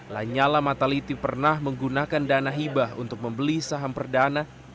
lanyala mataliti pernah menggunakan dana hibah untuk membeli saham perdana